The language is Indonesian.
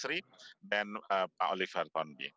terima kasih banyak banyak